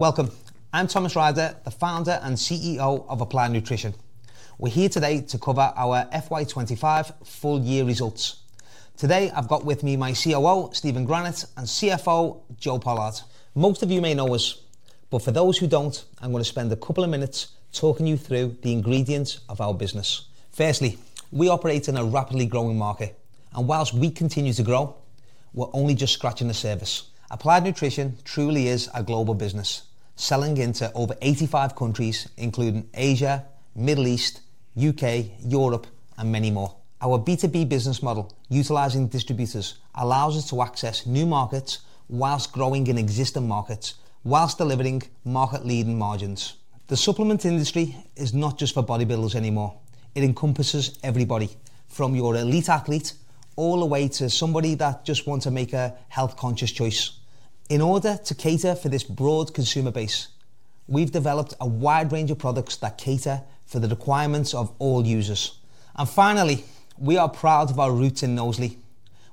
Welcome. I'm Thomas Ryder, the founder and CEO of Applied Nutrition. We're here today to cover our FY 2025 full-year results. Today, I've got with me my COO, Steven Granite, and CFO, Joe Pollard. Most of you may know us, but for those who don't, I'm going to spend a couple of minutes talking you through the ingredients of our business. Firstly, we operate in a rapidly growing market, and whilst we continue to grow, we're only just scratching the surface. Applied Nutrition truly is a global business, selling into over 85 countries, including Asia, the Middle East, the U.K., Europe, and many more. Our B2B business model, utilizing distributors, allows us to access new markets whilst growing in existing markets, whilst delivering market-leading margins. The supplement industry is not just for bodybuilders anymore. It encompasses everybody, from your elite athlete all the way to somebody that just wants to make a health-conscious choice. In order to cater for this broad consumer base, we have developed a wide range of products that cater for the requirements of all users. Finally, we are proud of our roots in Knowsley,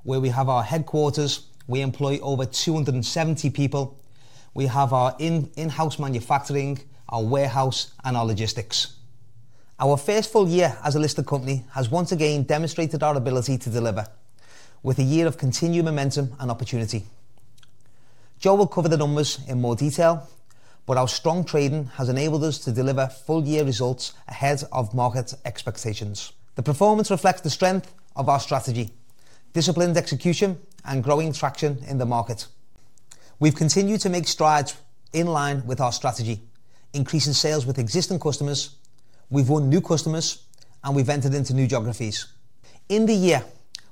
where we have our headquarters. We employ over 270 people. We have our in-house manufacturing, our warehouse, and our logistics. Our first full year as a listed company has once again demonstrated our ability to deliver, with a year of continued momentum and opportunity. Joe will cover the numbers in more detail, but our strong trading has enabled us to deliver full-year results ahead of market expectations. The performance reflects the strength of our strategy, disciplined execution, and growing traction in the market. We've continued to make strides in line with our strategy, increasing sales with existing customers. We've won new customers, and we've entered into new geographies. In the year,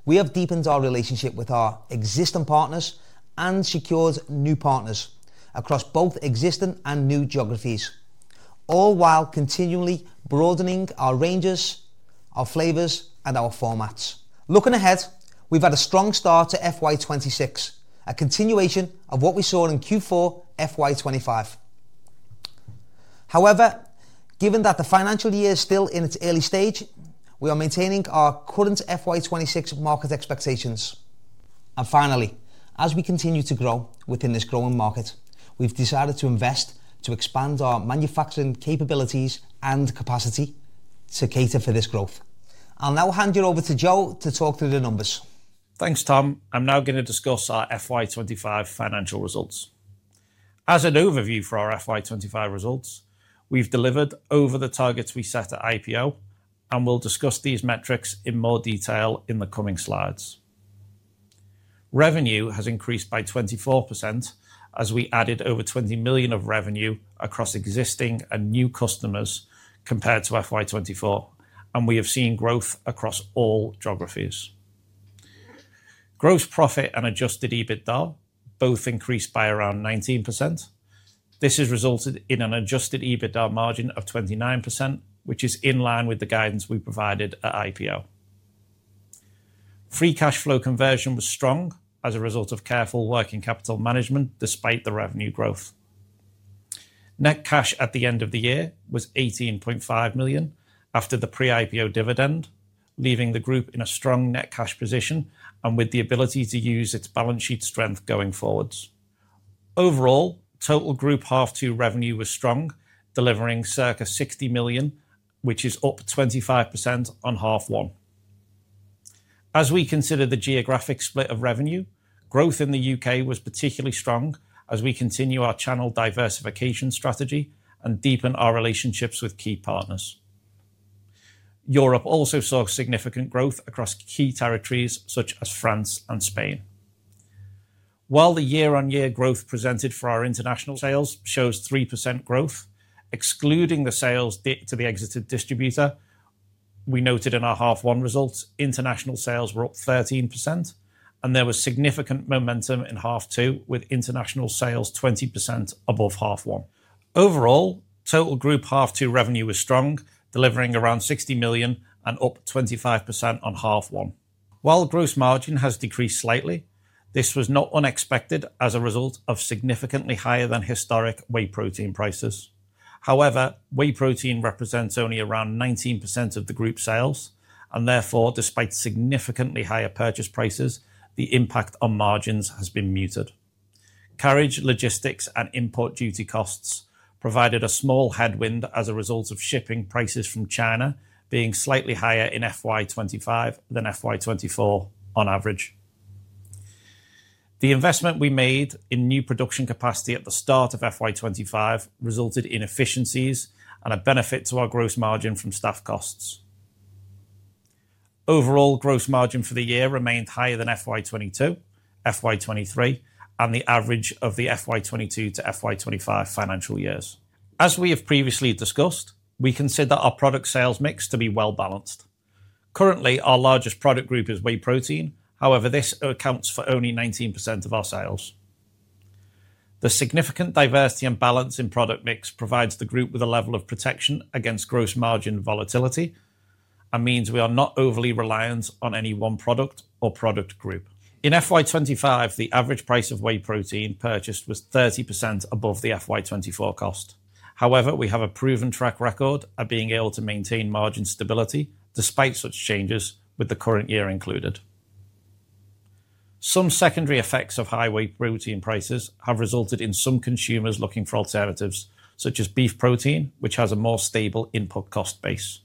we have deepened our relationship with our existing partners and secured new partners across both existing and new geographies, all while continually broadening our ranges, our flavors, and our formats. Looking ahead, we've had a strong start to FY 2026, a continuation of what we saw in Q4 FY 2025. However, given that the financial year is still in its early stage, we are maintaining our current FY 2026 market expectations. Finally, as we continue to grow within this growing market, we've decided to invest to expand our manufacturing capabilities and capacity to cater for this growth. I'll now hand you over to Joe to talk through the numbers. Thanks, Tom. I'm now going to discuss our FY 2025 financial results. As an overview for our FY 2025 results, we've delivered over the targets we set at IPO, and we'll discuss these metrics in more detail in the coming slides. Revenue has increased by 24% as we added over 20 million of revenue across existing and new customers compared to FY 2024, and we have seen growth across all geographies. Gross profit and adjusted EBITDA both increased by around 19%. This has resulted in an adjusted EBITDA margin of 29%, which is in line with the guidance we provided at IPO. Free cash flow conversion was strong as a result of careful working capital management despite the revenue growth. Net cash at the end of the year was 18.5 million after the pre-IPO dividend, leaving the group in a strong net cash position and with the ability to use its balance sheet strength going forwards. Overall, total group half-two revenue was strong, delivering circa 60 million, which is up 25% on half-one. As we consider the geographic split of revenue, growth in the U.K. was particularly strong as we continue our channel diversification strategy and deepen our relationships with key partners. Europe also saw significant growth across key territories such as France and Spain. While the year-on-year growth presented for our international sales shows 3% growth, excluding the sales to the exited distributor we noted in our half-one results, international sales were up 13%, and there was significant momentum in half-two with international sales 20% above half-one. Overall, total group half-two revenue was strong, delivering around 60 million and up 25% on half-one. While gross margin has decreased slightly, this was not unexpected as a result of significantly higher than historic whey protein prices. However, whey protein represents only around 19% of the group sales, and therefore, despite significantly higher purchase prices, the impact on margins has been muted. Carriage, logistics, and import duty costs provided a small headwind as a result of shipping prices from China being slightly higher in FY 2025 than FY 2024 on average. The investment we made in new production capacity at the start of FY 2025 resulted in efficiencies and a benefit to our gross margin from staff costs. Overall, gross margin for the year remained higher than FY 2022, FY 2023, and the average of the FY 2022-FY 2025 financial years. As we have previously discussed, we consider our product sales mix to be well-balanced. Currently, our largest product group is whey protein. However, this accounts for only 19% of our sales. The significant diversity and balance in product mix provides the group with a level of protection against gross margin volatility and means we are not overly reliant on any one product or product group. In FY 2025, the average price of whey protein purchased was 30% above the FY 2024 cost. However, we have a proven track record of being able to maintain margin stability despite such changes with the current year included. Some secondary effects of high whey protein prices have resulted in some consumers looking for alternatives such as beef protein, which has a more stable input cost base.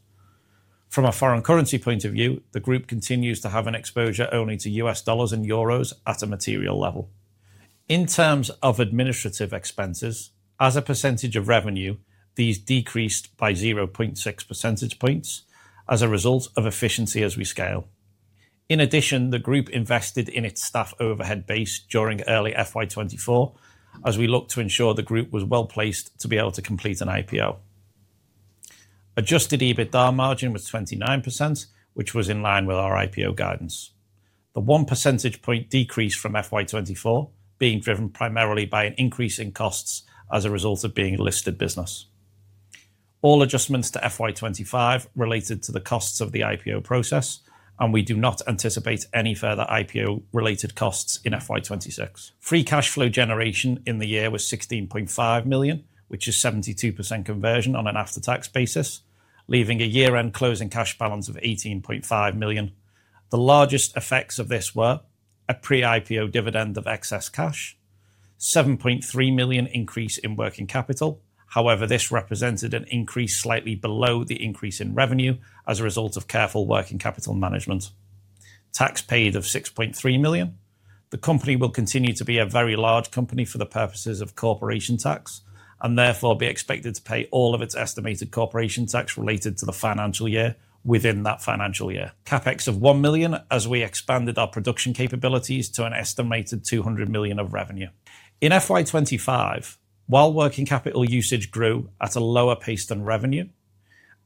From a foreign currency point of view, the group continues to have an exposure only to U.S. dollars and euros at a material level. In terms of administrative expenses, as a percentage of revenue, these decreased by 0.6 percentage points as a result of efficiency as we scale. In addition, the group invested in its staff overhead base during early FY 2024 as we looked to ensure the group was well placed to be able to complete an IPO. Adjusted EBITDA margin was 29%, which was in line with our IPO guidance. The 1 percentage point decrease from FY 20 2024 being driven primarily by an increase in costs as a result of being a listed business. All adjustments to FY 2025 related to the costs of the IPO process, and we do not anticipate any further IPO-related costs in FY 2026. Free cash flow generation in the year was 16.5 million, which is 72% conversion on an after-tax basis, leaving a year-end closing cash balance of 18.5 million. The largest effects of this were a pre-IPO dividend of excess cash, a 7.3 million increase in working capital. However, this represented an increase slightly below the increase in revenue as a result of careful working capital management. Tax paid of 6.3 million. The company will continue to be a very large company for the purposes of corporation tax and therefore be expected to pay all of its estimated corporation tax related to the financial year within that financial year. CapEx of 1 million as we expanded our production capabilities to an estimated 200 million of revenue. In FY 2025, while working capital usage grew at a lower pace than revenue,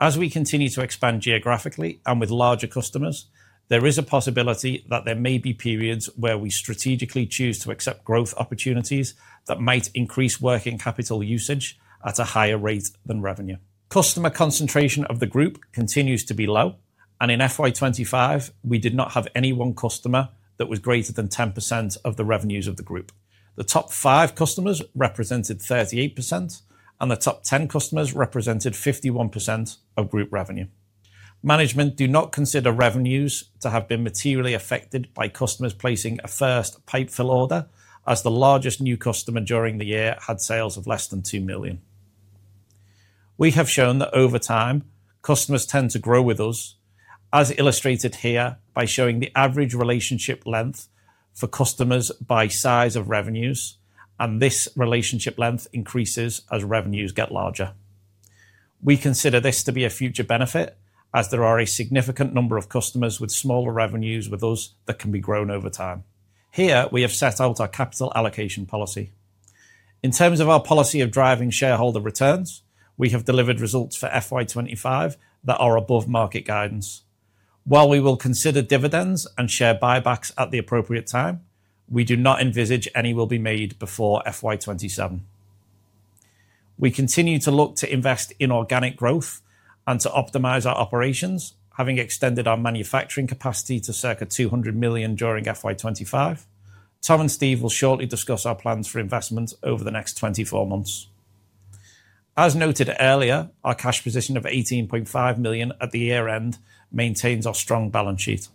as we continue to expand geographically and with larger customers, there is a possibility that there may be periods where we strategically choose to accept growth opportunities that might increase working capital usage at a higher rate than revenue. Customer concentration of the group continues to be low, and in FY 2025, we did not have any one customer that was greater than 10% of the revenues of the group. The top five customers represented 38%, and the top 10 customers represented 51% of group revenue. Management do not consider revenues to have been materially affected by customers placing a first pipefill order as the largest new customer during the year had sales of less than 2 million. We have shown that over time, customers tend to grow with us, as illustrated here by showing the average relationship length for customers by size of revenues, and this relationship length increases as revenues get larger. We consider this to be a future benefit as there are a significant number of customers with smaller revenues with us that can be grown over time. Here, we have set out our capital allocation policy. In terms of our policy of driving shareholder returns, we have delivered results for FY 2025 that are above market guidance. While we will consider dividends and share buybacks at the appropriate time, we do not envisage any will be made before FY 2027. We continue to look to invest in organic growth and to optimize our operations, having extended our manufacturing capacity to circa 200 million during FY 2025. Tom and Steve will shortly discuss our plans for investment over the next 24 months. As noted earlier, our cash position of 18.5 million at the year-end maintains our strong balance sheet.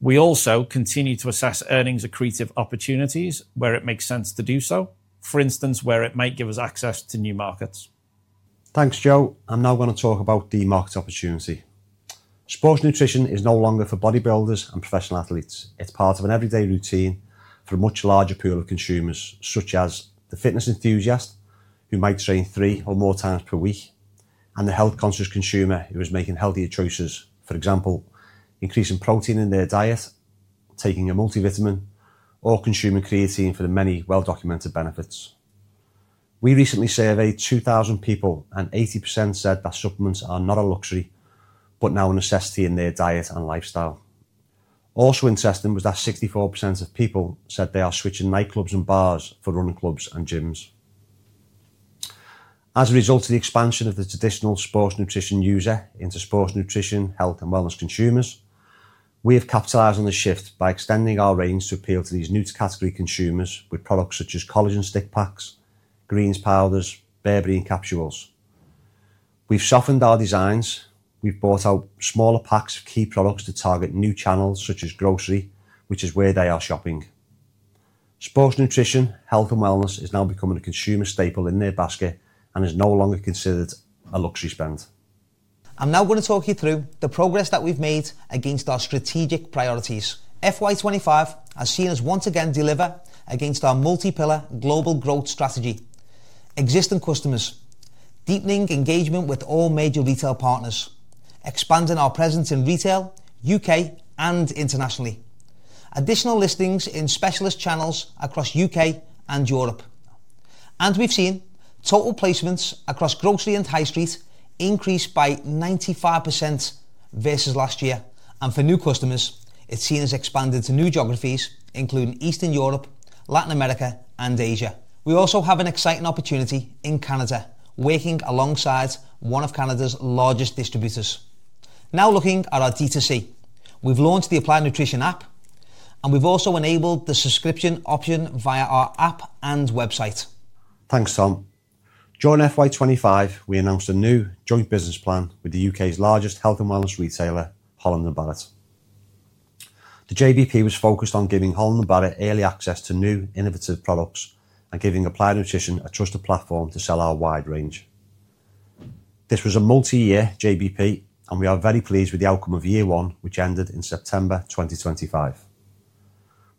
We also continue to assess earnings-accretive opportunities where it makes sense to do so, for instance, where it might give us access to new markets. Thanks, Joe. I'm now going to talk about the market opportunity. Sports nutrition is no longer for bodybuilders and professional athletes. It's part of an everyday routine for a much larger pool of consumers, such as the fitness enthusiast who might train three or more times per week and the health-conscious consumer who is making healthier choices, for example, increasing protein in their diet, taking a multivitamin, or consuming creatine for the many well-documented benefits. We recently surveyed 2,000 people, and 80% said that supplements are not a luxury but now a necessity in their diet and lifestyle. Also interesting was that 64% of people said they are switching nightclubs and bars for running clubs and gyms. As a result of the expansion of the traditional sports nutrition user into sports nutrition, health, and wellness consumers, we have capitalized on the shift by extending our range to appeal to these new category consumers with products such as Collagen Stick Packs, Greens Powders, Berberine Capsules. We've softened our designs. We've bought out smaller packs of key products to target new channels such as grocery, which is where they are shopping. Sports nutrition, health, and wellness is now becoming a consumer staple in their basket and is no longer considered a luxury spend. I'm now going to talk you through the progress that we've made against our strategic priorities. FY 2025 has seen us once again deliver against our multi-pillar global growth strategy, existing customers, deepening engagement with all major retail partners, expanding our presence in retail, U.K. and internationally, additional listings in specialist channels across U.K. and Europe. We have seen total placements across grocery and high streets increase by 95% versus last year. For new customers, it has seen us expand to new geographies including Eastern Europe, Latin America, and Asia. We also have an exciting opportunity in Canada, working alongside one of Canada's largest distributors. Now looking at our D2C, we've launched the Applied Nutrition app, and we've also enabled the subscription option via our app and website. Thanks, Tom. During FY 2025, we announced a new joint business plan with the U.K.'s largest health and wellness retailer, Holland & Barrett. The JBP was focused on giving Holland & Barrett early access to new innovative products and giving Applied Nutrition a trusted platform to sell our wide range. This was a multi-year JBP, and we are very pleased with the outcome of year one, which ended in September 2025.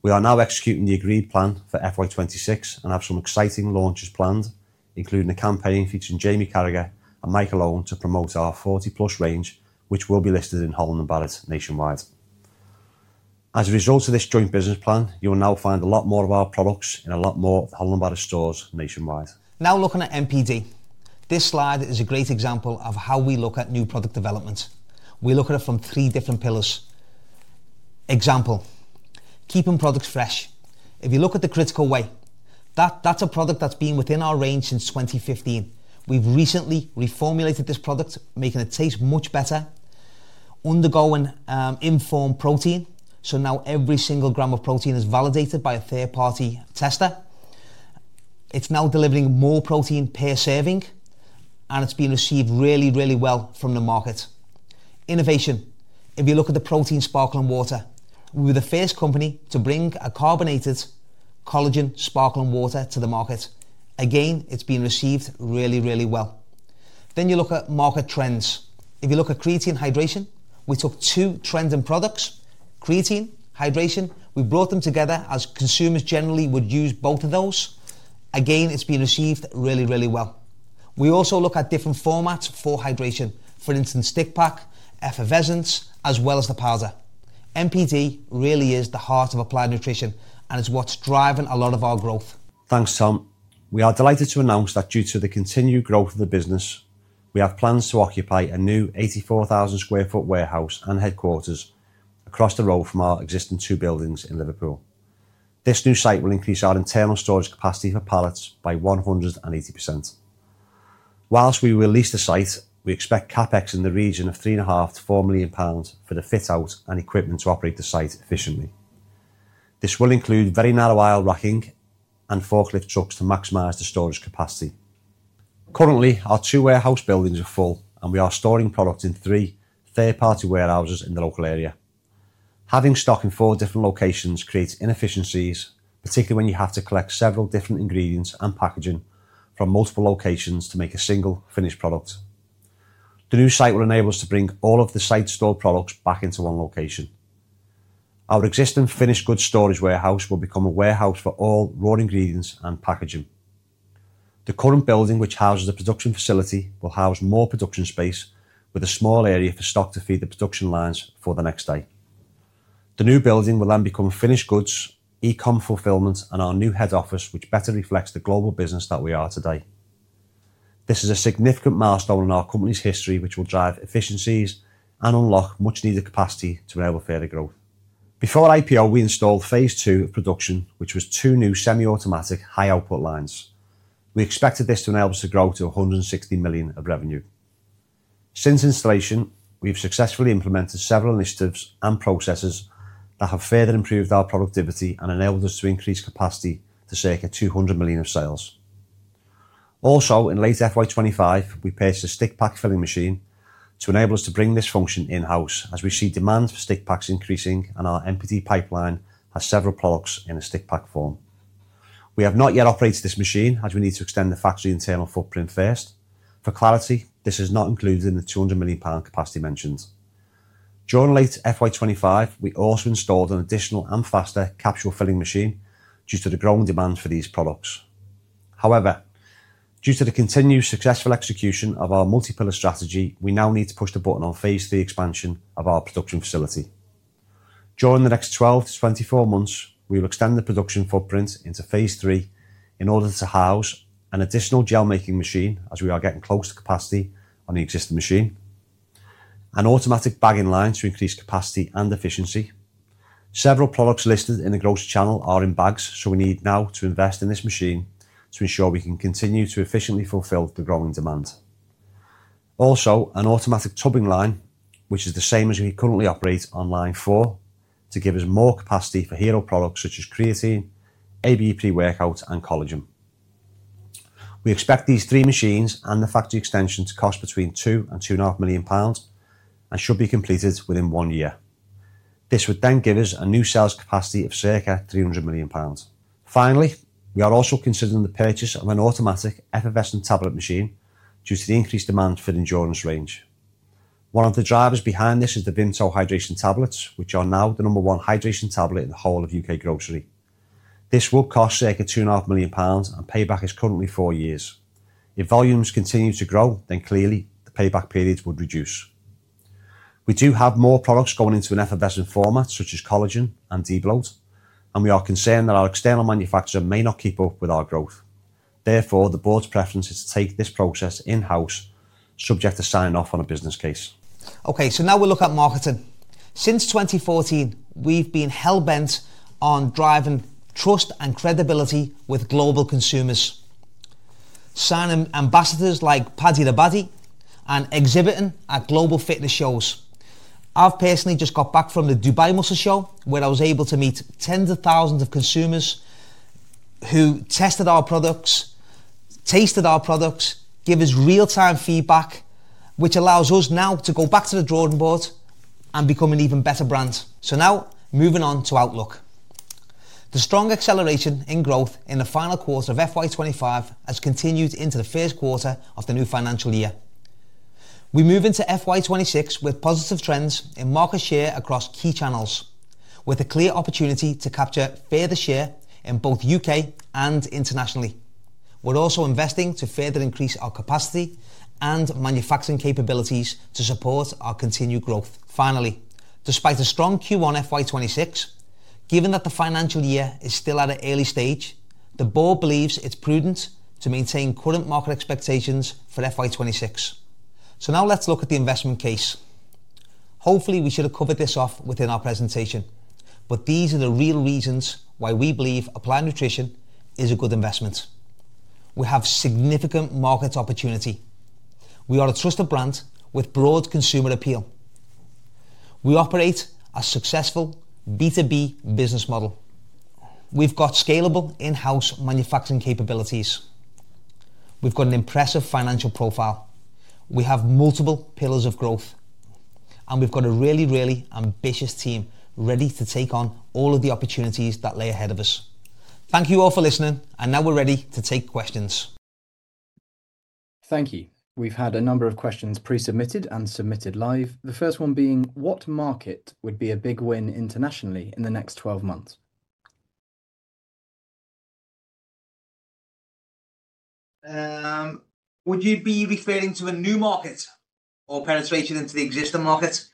We are now executing the agreed plan for FY 2026 and have some exciting launches planned, including a campaign featuring Jamie Carragher and Michael Owen to promote our 40-plus range, which will be listed in Holland & Barrett nationwide. As a result of this joint business plan, you will now find a lot more of our products in a lot more Holland & Barrett stores nationwide. Now looking at NPD, this slide is a great example of how we look at new product development. We look at it from three different pillars. Example, keeping products fresh. If you look at the Critical Whey, that's a product that's been within our range since 2015. We've recently reformulated this product, making it taste much better, undergoing informed protein. Now every single gram of protein is validated by a third-party tester. It's now delivering more protein per serving, and it's been received really, really well from the market. Innovation. If you look at the Protein Sparkling Water, we were the first company to bring a carbonated collagen sparkling water to the market. Again, it's been received really, really well. You look at market trends. If you look at Creatine + Hydration, we took two trends in products, creatine, hydration. We brought them together as consumers generally would use both of those. Again, it's been received really, really well. We also look at different formats for hydration, for instance, stick pack, effervescent, as well as the powder. NPD really is the heart of Applied Nutrition, and it's what's driving a lot of our growth. Thanks, Tom. We are delighted to announce that due to the continued growth of the business, we have plans to occupy a new 84,000 sq ft warehouse and headquarters across the road from our existing two buildings in Liverpool. This new site will increase our internal storage capacity for pallets by 180%. Whilst we release the site, we expect CapEx in the region of 3.5 million-4 million pounds for the fit-out and equipment to operate the site efficiently. This will include very narrow aisle racking and forklift trucks to maximize the storage capacity. Currently, our two warehouse buildings are full, and we are storing products in three third-party warehouses in the local area. Having stock in four different locations creates inefficiencies, particularly when you have to collect several different ingredients and packaging from multiple locations to make a single finished product. The new site will enable us to bring all of the site-stored products back into one location. Our existing finished goods storage warehouse will become a warehouse for all raw ingredients and packaging. The current building, which houses the production facility, will house more production space with a small area for stock to feed the production lines for the next day. The new building will then become finished goods, e-com fulfillment, and our new head office, which better reflects the global business that we are today. This is a significant milestone in our company's history, which will drive efficiencies and unlock much-needed capacity to enable further growth. Before IPO, we installed phase two of production, which was two new semi-automatic high-output lines. We expected this to enable us to grow to 160 million of revenue. Since installation, we've successfully implemented several initiatives and processes that have further improved our productivity and enabled us to increase capacity to circa 200 million of sales. Also, in late FY 2025, we purchased a stick-pack-filling machine to enable us to bring this function in-house as we see demand for stick packs increasing and our NPD pipeline has several products in a stick pack form. We have not yet operated this machine as we need to extend the factory internal footprint first. For clarity, this is not included in the 200-million pound capacity mentioned. During late FY 2025, we also installed an additional and faster capsule-filling machine due to the growing demand for these products. However, due to the continued successful execution of our multi-pillar strategy, we now need to push the button on phase-three expansion of our production facility. During the next 12 to 24 months, we will extend the production footprint into phase three in order to house an additional gel-making machine as we are getting close to capacity on the existing machine, an automatic bagging line to increase capacity and efficiency. Several products listed in the grocery channel are in bags, so we need now to invest in this machine to ensure we can continue to efficiently fulfill the growing demand. Also, an automatic tubbing line, which is the same as we currently operate on line four, to give us more capacity for hero products such as creatine, ABE Pre-workout, and collagen. We expect these three machines and the factory extension to cost between 2 million pounds and GBP 2.5 million and should be completed within one year. This would then give us a new sales capacity of circa 300 million pounds. Finally, we are also considering the purchase of an automatic effervescent tablet machine due to the increased demand for the endurance range. One of the drivers behind this is the Vimto Hydration Tablets, which are now the number one hydration tablet in the whole of U.K. grocery. This will cost circa 2.5 million pounds and payback is currently four years. If volumes continue to grow, then clearly the payback periods would reduce. We do have more products going into an effervescent and format such as Collagen and Debloat, and we are concerned that our external manufacturer may not keep up with our growth. Therefore, the board's preference is to take this process in-house, subject to signing off on a business case. Okay, so now we'll look at marketing. Since 2014, we've been hell-bent on driving trust and credibility with global consumers, signing ambassadors like Paddy The Baddy and exhibiting at global fitness shows. I've personally just got back from the Dubai Muscle Show, where I was able to meet tens of thousands of consumers who tested our products, tasted our products, gave us real-time feedback, which allows us now to go back to the drawing board and become an even better brand. Now moving on to Outlook. The strong acceleration in growth in the final quarter of FY 2025 has continued into the first quarter of the new financial year. We move into FY 2026 with positive trends in market share across key channels, with a clear opportunity to capture further share in both the U.K. and internationally. We're also investing to further increase our capacity and manufacturing capabilities to support our continued growth. Finally, despite a strong Q1 FY 2026, given that the financial year is still at an early stage, the board believes it's prudent to maintain current market expectations for FY 2026. Now let's look at the investment case. Hopefully, we should have covered this off within our presentation, but these are the real reasons why we believe Applied Nutrition is a good investment. We have significant market opportunity. We are a trusted brand with broad consumer appeal. We operate a successful B2B business model. We've got scalable in-house manufacturing capabilities. We've got an impressive financial profile. We have multiple pillars of growth, and we've got a really, really ambitious team ready to take on all of the opportunities that lay ahead of us. Thank you all for listening, and now we're ready to take questions. Thank you. We've had a number of questions pre-submitted and submitted live, the first one being, what market would be a big win internationally in the next 12 months Would you be referring to a new market or penetration into the existing market?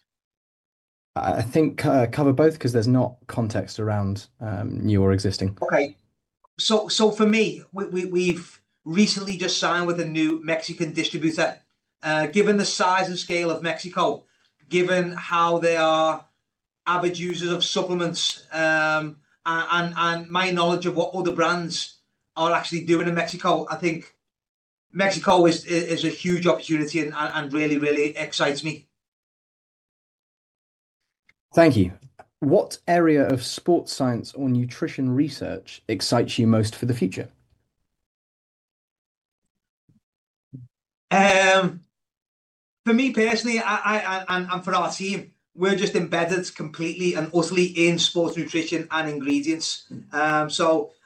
I think cover both because there's not context around new or existing. Okay. For me, we've recently just signed with a new Mexican distributor. Given the size and scale of Mexico, given how they are avid users of supplements and my knowledge of what other brands are actually doing in Mexico, I think Mexico is a huge opportunity and really, really excites me. Thank you. What area of sports science or nutrition research excites you most for the future? For me personally and for our team, we're just embedded completely and utterly in sports nutrition and ingredients.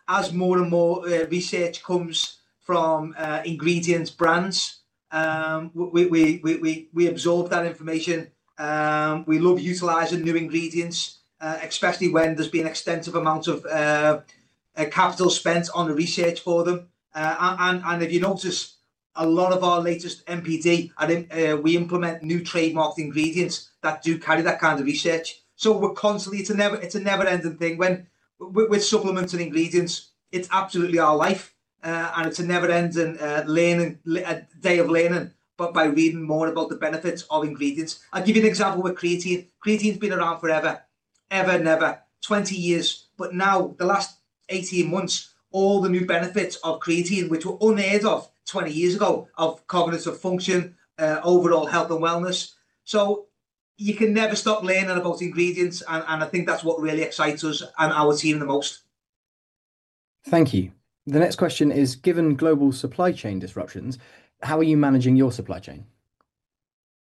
As more and more research comes from ingredients brands, we absorb that information. We love utilizing new ingredients, especially when there's been extensive amounts of capital spent on the research for them. If you notice, a lot of our latest NPD, we implement new trademarked ingredients that do carry that kind of research. We're constantly, it's a never-ending thing. When we're supplementing ingredients, it's absolutely our life, and it's a never-ending day of learning, by reading more about the benefits of ingredients. I'll give you an example with creatine. Creatine has been around forever, ever, never, 20 years. Now, the last 18 months, all the new benefits of creatine, which were unheard of 20 years ago, of cognitive function, overall health and wellness. You can never stop learning about ingredients, and I think that's what really excites us and our team the most. Thank you. The next question is, given global supply chain disruptions, how are you managing your supply chain?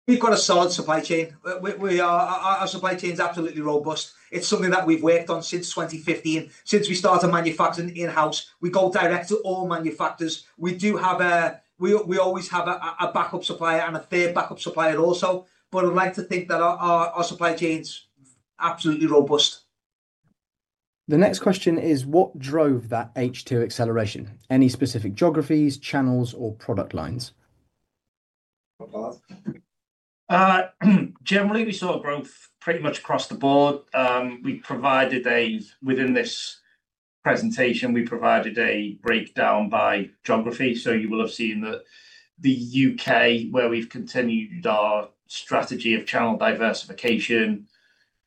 We've got a solid supply chain. Our supply chain is absolutely robust. It's something that we've worked on since 2015. Since we started manufacturing in-house, we go direct to all manufacturers. We do have a, we always have a backup supplier and a third backup supplier also, but I'd like to think that our supply chain is absolutely robust. The next question is, what drove that H2 acceleration? Any specific geographies, channels, or product lines? Generally, we saw growth pretty much across the board. Within this presentation, we provided a breakdown by geography, so you will have seen that the U.K., where we've continued our strategy of channel diversification,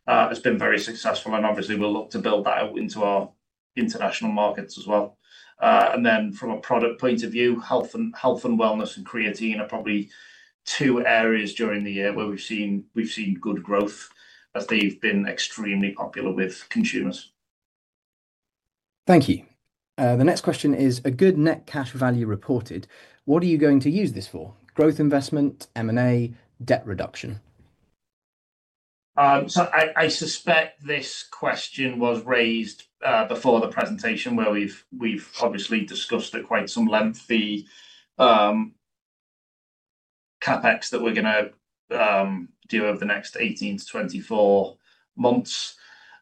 has been very successful, and obviously, we'll look to build that out into our international markets as well. From a product point of view, health and wellness and creatine are probably two areas during the year where we've seen good growth as they've been extremely popular with consumers. Thank you. The next question is, a good net cash value reported, what are you going to use this for? Growth investment, M&A, debt reduction? I suspect this question was raised before the presentation where we've obviously discussed at quite some length the CapEx that we're going to do over the next 18-24 months.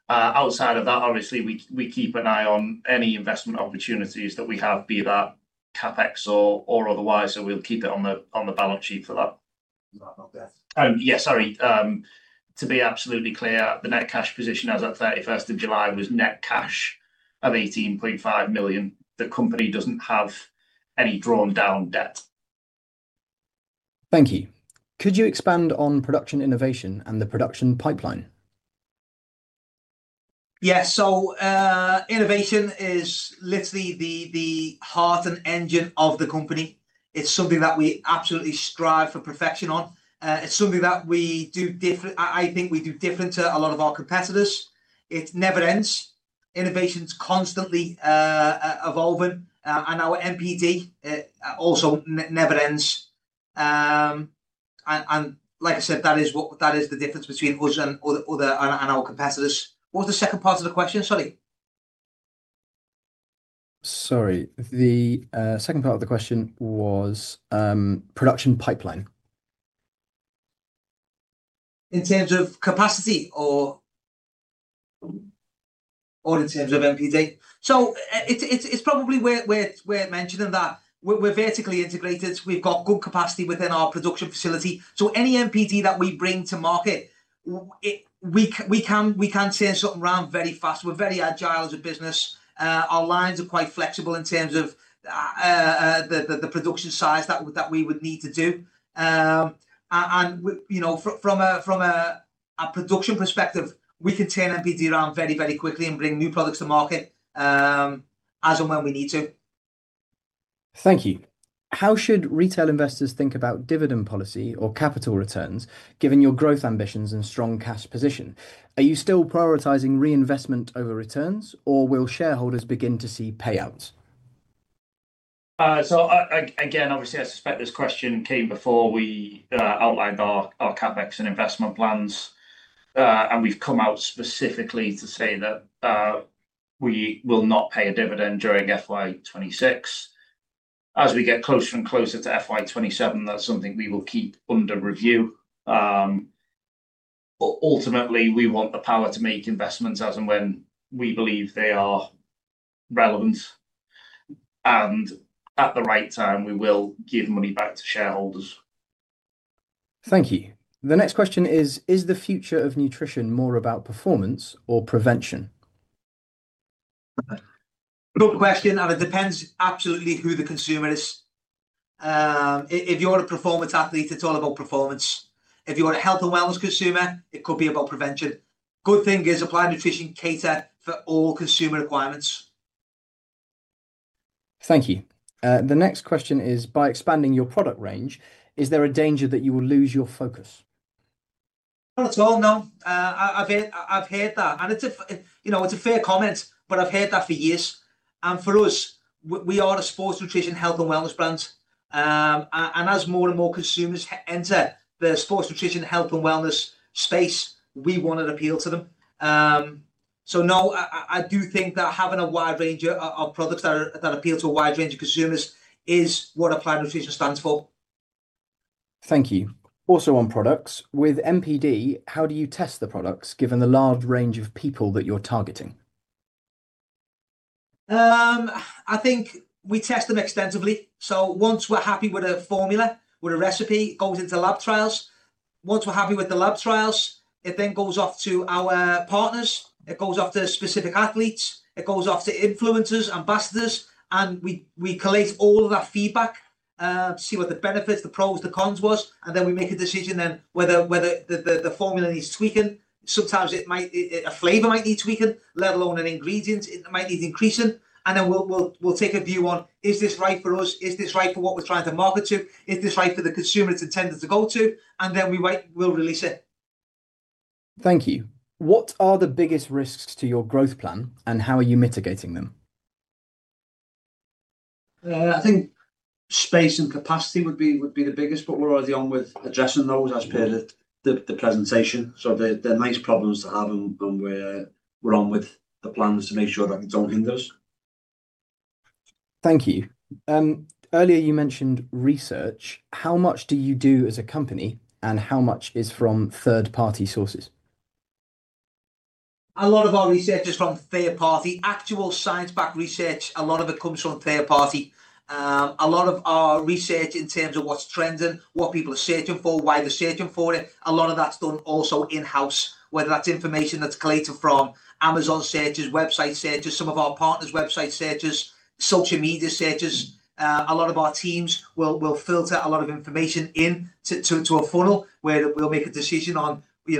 Outside of that, obviously, we keep an eye on any investment opportunities that we have, be that CapEx or otherwise, so we'll keep it on the balance sheet for that. Yeah, sorry. To be absolutely clear, the net cash position as of 31st of July was net cash of 18.5 million. The company doesn't have any drawn-down debt. Thank you. Could you expand on production innovation and the production pipeline? Yeah. Innovation is literally the heart and engine of the company. It's something that we absolutely strive for perfection on. It's something that we do different, I think we do different to a lot of our competitors. It never ends. Innovation's constantly evolving, and our NPD also never ends. Like I said, that is the difference between us and our competitors. What was the second part of the question? Sorry. Sorry. The second part of the question was production pipeline. In terms of capacity or in terms of NPD? It's probably worth mentioning that we're vertically integrated. We've got good capacity within our production facility. Any NPD that we bring to market, we can turn something around very fast. We're very agile as a business. Our lines are quite flexible in terms of the production size that we would need to do. From a production perspective, we can turn NPD around very, very quickly and bring new products to market as and when we need to. Thank you. How should retail investors think about dividend policy or capital returns given your growth ambitions and strong cash position? Are you still prioritizing reinvestment over returns, or will shareholders begin to see payouts? Obviously, I suspect this question came before we outlined our CapEx and investment plans. We have come out specifically to say that we will not pay a dividend during FY 2026. As we get closer and closer to FY 2027, that is something we will keep under review. Ultimately, we want the power to make investments as and when we believe they are relevant. At the right time, we will give money back to shareholders. Thank you. The next question is, is the future of nutrition more about performance or prevention? Good question. It depends absolutely who the consumer is. If you're a performance athlete, it's all about performance. If you're a health and wellness consumer, it could be about prevention. Good thing is Applied Nutrition caters for all consumer requirements. Thank you. The next question is, by expanding your product range, is there a danger that you will lose your focus? Not at all, no. I've heard that. It's a fair comment, but I've heard that for years. For us, we are a sports nutrition health and wellness brand. As more and more consumers enter the sports nutrition health and wellness space, we want to appeal to them. No, I do think that having a wide range of products that appeal to a wide range of consumers is what Applied Nutrition stands for. Thank you. Also on products, with NPD, how do you test the products given the large range of people that you're targeting? I think we test them extensively. Once we're happy with a formula, with a recipe, it goes into lab trials. Once we're happy with the lab trials, it then goes off to our partners. It goes off to specific athletes. It goes off to influencers, ambassadors. We collate all of that feedback, see what the benefits, the pros, the cons were, and then we make a decision then whether the formula needs tweaking. Sometimes a flavor might need tweaking, let alone an ingredient, it might need increasing. We take a view on, is this right for us? Is this right for what we're trying to market to? Is this right for the consumer it's intended to go to? Then we release it. Thank you. What are the biggest risks to your growth plan, and how are you mitigating them? I think space and capacity would be the biggest, but we're already on with addressing those as per the presentation. They are nice problems to have, and we're on with the plans to make sure that do not hinder us. Thank you. Earlier, you mentioned research. How much do you do as a company, and how much is from third-party sources? A lot of our research is from third-party. Actual science-backed research, a lot of it comes from third-party. A lot of our research in terms of what's trending, what people are searching for, why they're searching for it, a lot of that's done also in-house, whether that's information that's collated from Amazon searches, website searches, some of our partners' website searches, social media searches. A lot of our teams will filter a lot of information into a funnel where we'll make a decision on the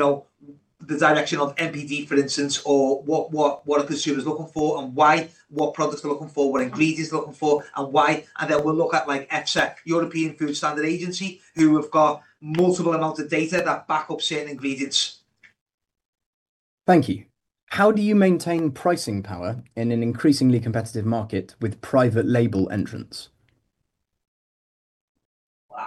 direction of NPD, for instance, or what a consumer is looking for and why, what products they're looking for, what ingredients they're looking for, and why. We look at EFSA, European Food Safety Authority, who have got multiple amounts of data that back up certain ingredients. Thank you. How do you maintain pricing power in an increasingly competitive market with private label entrants?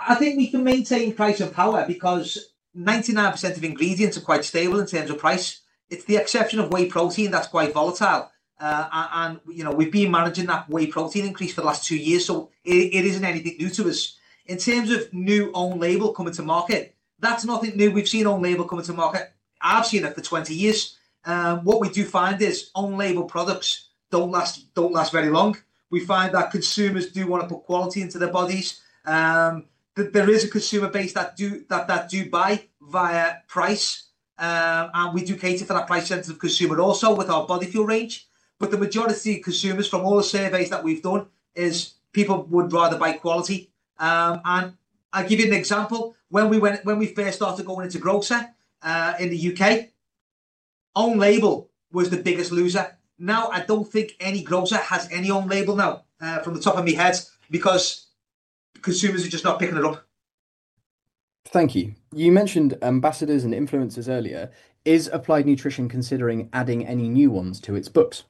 I think we can maintain price and power because 99% of ingredients are quite stable in terms of price. It's the exception of whey protein that's quite volatile. We've been managing that whey protein increase for the last two years, so it isn't anything new to us. In terms of new on-label coming to market, that's nothing new. We've seen on-label coming to market. I've seen it for 20 years. What we do find is on-label products don't last very long. We find that consumers do want to put quality into their bodies. There is a consumer base that do buy via price. We do cater for that price sensitive consumer also with our BodyFuel range. The majority of consumers from all the surveys that we've done is people would rather buy quality. I'll give you an example. When we first started going into Grocer in the U.K., on-label was the biggest loser. Now, I don't think any Grocer has any on-label now from the top of my head because consumers are just not picking it up. Thank you. You mentioned ambassadors and influencers earlier. Is Applied Nutrition considering adding any new ones to its books?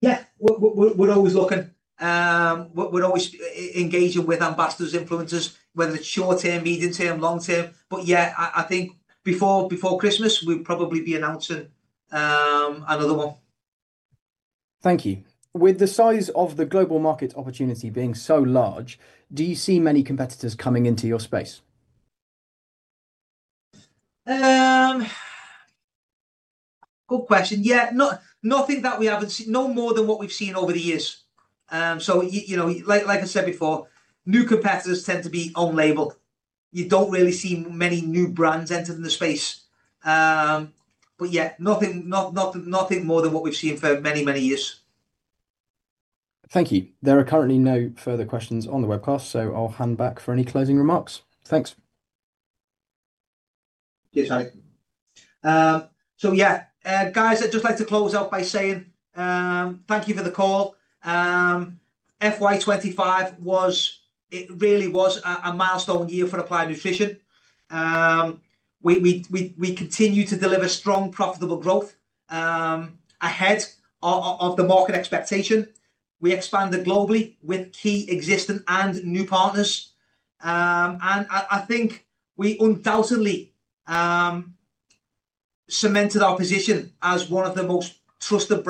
Yeah. We're always looking. We're always engaging with ambassadors, influencers, whether it's short-term, medium-term, long-term. Yeah, I think before Christmas, we'd probably be announcing another one. Thank you. With the size of the global market opportunity being so large, do you see many competitors coming into your space? Good question. Yeah. Nothing that we haven't seen, no more than what we've seen over the years. Like I said before, new competitors tend to be on-label. You don't really see many new brands entering the space. Yeah, nothing more than what we've seen for many, many years. Thank you. There are currently no further questions on the webcast, so I'll hand back for any closing remarks. Thanks. Thank you. So yeah, guys, I'd just like to close off by saying thank you for the call. FY 2025 was, it really was a milestone year for Applied Nutrition. We continue to deliver strong, profitable growth ahead of the market expectation. We expanded globally with key existing and new partners. I think we undoubtedly cemented our position as one of the most trusted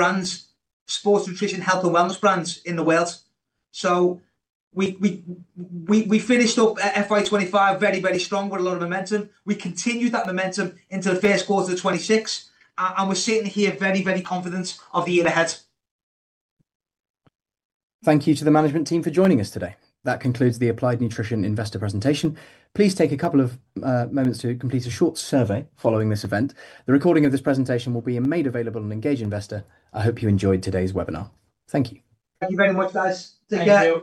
sports nutrition, health, and wellness brands in the world. We finished off FY 2025 very, very strong with a lot of momentum. We continued that momentum into the first quarter of 2026, and we're sitting here very, very confident of the year ahead. Thank you to the management team for joining us today. That concludes the Applied Nutrition Investor Presentation. Please take a couple of moments to complete a short survey following this event. The recording of this presentation will be made available on Engage Investor. I hope you enjoyed today's webinar. Thank you. Thank you very much, guys. Take care.